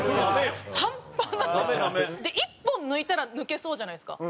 で１本抜いたら抜けそうじゃないですか。